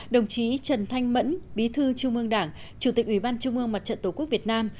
đồng chí trần thanh mẫn bí thư trung ương đảng chủ tịch ủy ban trung ương mặt trận tổ quốc việt nam